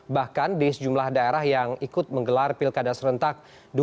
bahkan di sejumlah daerah yang ikut menggelar pilkada serentak dua ribu delapan belas